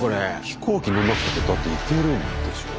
飛行機乗んなくたってだって行けるんでしょ？